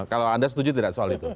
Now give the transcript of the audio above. kalau anda setuju tidak soal itu